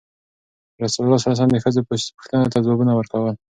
رسول ﷺ د ښځو پوښتنو ته ځوابونه ورکول.